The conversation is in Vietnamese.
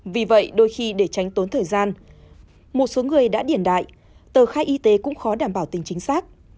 vì vậy đôi khi để tránh tốn thời gian một số người đã điển đại tờ khai y tế cũng khó đảm bảo tính chính xác